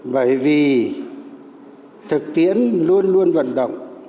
bởi vì thực tiễn luôn luôn vận động